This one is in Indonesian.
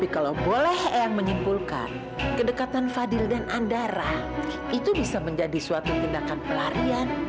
kalau boleh eyang menyimpulkan kedekatan fadil dan andara itu bisa menjadi suatu tindakan pelarian